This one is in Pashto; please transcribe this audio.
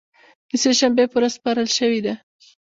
د سې شنبې په ورځ سپارل شوې ده